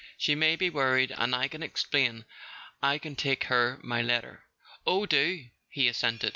She may be worried; and I can explain—I can take her my letter." "Oh, do," he assented.